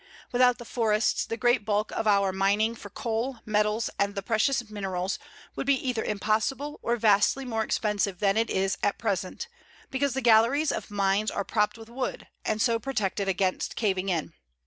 Without the forests the great bulk of our mining for coal, metals, and the precious minerals would be either impossible or vastly more expensive than it is at present, because the galleries of mines are propped with wood, and so protected against caving in.